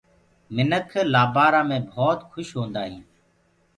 منک لآبآرآ مي ڀوت کوُش هوندآ هينٚ۔